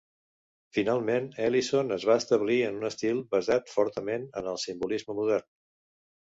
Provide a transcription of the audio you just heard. Finalment Ellison es va establir en un estil basat fortament en el simbolisme modern.